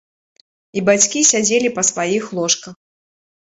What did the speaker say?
І бацькі сядзелі па сваіх ложках.